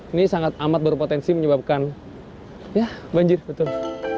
ini sangat amat berpotensi menyebabkan ya banjir betul